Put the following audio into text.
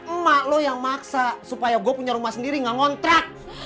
emak lo yang maksa supaya gue punya rumah sendiri gak ngontrak